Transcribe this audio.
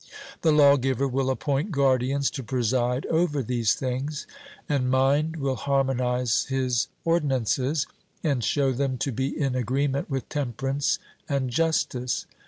The lawgiver will appoint guardians to preside over these things; and mind will harmonize his ordinances, and show them to be in agreement with temperance and justice.